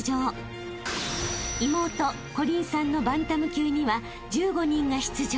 ［妹縞鈴さんのバンタム級には１５人が出場］